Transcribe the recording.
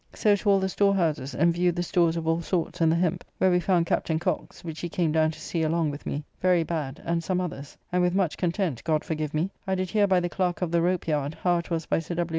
So to all the storehouses and viewed the stores of all sorts and the hemp, where we found Captain Cocke's (which he came down to see along with me) very bad, and some others, and with much content (God forgive me) I did hear by the Clerk of the Ropeyard how it was by Sir W.